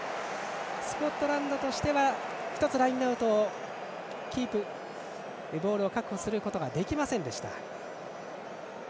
スコットランドとしては１つ、ラインアウトをキープ、ボールを確保することができませんでした。